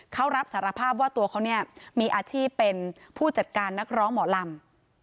เขารับสารภาพว่าตัวเขาเนี่ยมีอาชีพเป็นผู้จัดการนักร้องหมอลำ